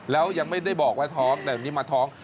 แล้วยังไม่ได้บอกว่าท้องแต่วันนี้มาท้อง